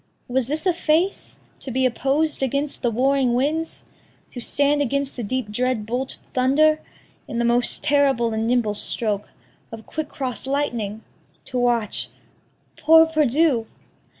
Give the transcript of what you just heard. Was this a face To be oppos'd against the warring winds? To stand against the deep dread bolted thunder? In the most terrible and nimble stroke Of quick cross lightning? to watch poor perdu!